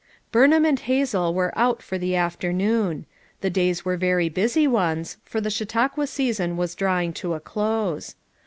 Burnham and Hazel were out for the after noon. The days were very busy ones, for the Chautauqua season was drawing to a close.